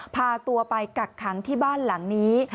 พาตัวไปกักขังที่บ้านหลังนี้